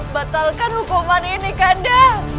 batalkan hukuman ini kanda